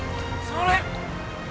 それ。